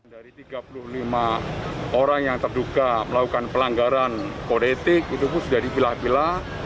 dari tiga puluh lima orang yang terduga melakukan pelanggaran kode etik itu pun sudah dipilah pilah